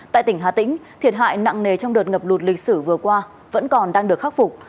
tại tỉnh hà tĩnh thiệt hại nặng nề trong đợt ngập lụt lịch sử vừa qua vẫn còn đang được khắc phục